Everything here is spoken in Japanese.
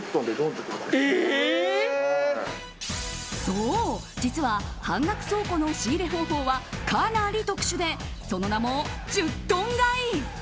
そう、実は半額倉庫の仕入れ方法はかなり特殊でそのなも１０トン買い。